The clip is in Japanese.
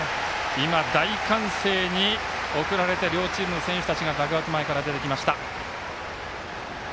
大歓声に送られて両チームの選手たちがダグアウト前から出てきました。